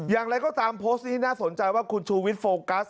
อย่างไรก็ตามโพสต์นี้น่าสนใจว่าคุณชูวิทยโฟกัส